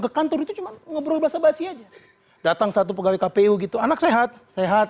ke kantor itu cuma ngobrol bahasa basi aja datang satu pegawai kpu gitu anak sehat sehat